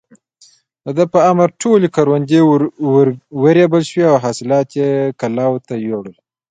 د ده په امر ټولې کروندې ورېبل شوې او حاصلات يې کلاوو ته يووړل.